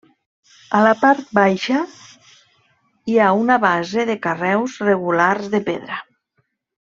A la part baixa hi ha una base de carreus regulars de pedra.